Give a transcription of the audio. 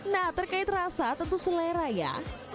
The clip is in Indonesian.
nah terkait rasa tentu selera ya